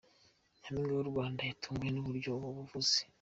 Nyampinga w’u Rwanda yatunguwe n’uburyo ubu buvuzi